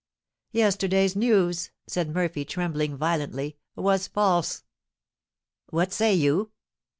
"Yesterday's news," said Murphy, trembling violently, "was false." "What say you?"